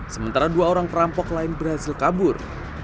sementara dua orang perampok lain berhasil kabur